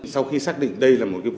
sau khi xác định đây là một vụ án mạng